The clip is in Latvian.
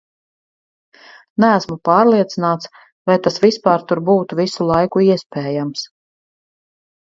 Neesmu pārliecināts, vai tas vispār tur būtu visu laiku iespējams....